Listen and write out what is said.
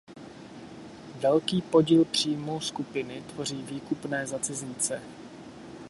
Velký podíl příjmů skupiny tvoří výkupné za cizince.